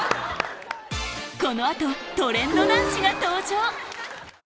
この後トレンド男子が登場！